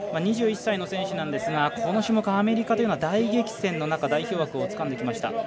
２１歳の選手なんですがこの種目、アメリカというのは大激戦の中代表枠をつかんできました。